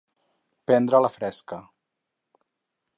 Prendre la fresca.